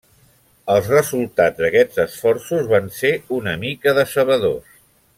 Els resultats d'aquests esforços van ser una mica decebedors.